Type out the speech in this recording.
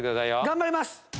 頑張ります！